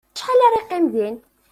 Acḥal ara yeqqim din?